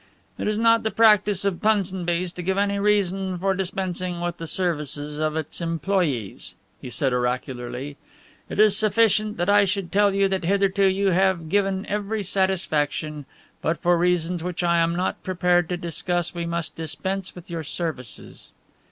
"It is not the practice of Punsonby's to give any reason for dispensing with the services of its employees," he said oracularly, "it is sufficient that I should tell you that hitherto you have given every satisfaction, but for reasons which I am not prepared to discuss we must dispense with your services."